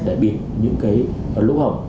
đại biệt những lũ hổng